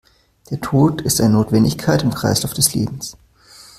Der Tod ist eine Notwendigkeit im Kreislauf des Lebens.